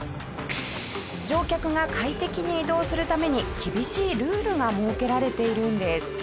乗客が快適に移動するために厳しいルールが設けられているんです。